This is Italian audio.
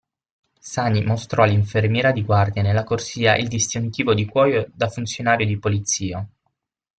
Sani mostrò all'infermiera di guardia nella corsia il distintivo di cuoio da funzionario di polizia.